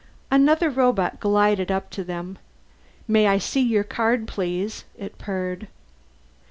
Another robot glided up to them. "May I see your card, please?" It purred.